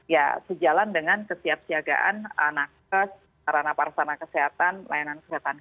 ya sejalan dengan kesiapsiagaan anak anak sarana parasana kesehatan layanan kesehatan